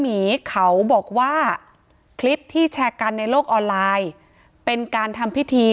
หมีเขาบอกว่าคลิปที่แชร์กันในโลกออนไลน์เป็นการทำพิธี